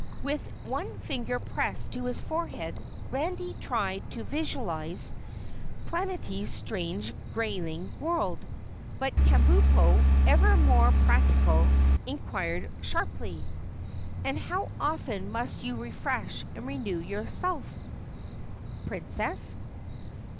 With one finger pressed to his forehead, Randy tried to visualize Planetty's strange greyling world, but Kabumpo, ever more practical, inquired sharply: "And how often must you refresh and renew yourselves, Princess?"